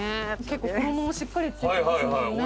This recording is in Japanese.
結構衣もしっかり付いてますもんね。